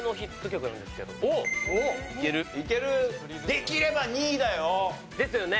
できれば２位だよ？ですよね。